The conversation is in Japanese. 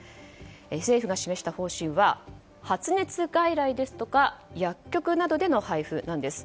政府が示した方針は発熱外来ですとか薬局などでの配布なんです。